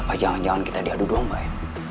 oh jangan jangan kita diadu domba ya